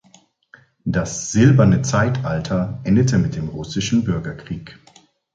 Das Silberne Zeitalter endete mit dem Russischen Bürgerkrieg.